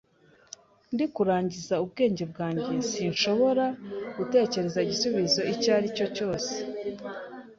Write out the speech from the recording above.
Ndi kurangiza ubwenge bwanjye. Sinshobora gutekereza igisubizo icyo aricyo cyose.